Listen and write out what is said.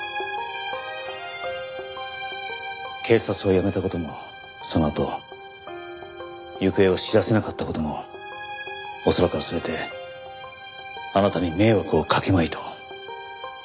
警察を辞めた事もそのあと行方を知らせなかった事も恐らくは全てあなたに迷惑をかけまいと。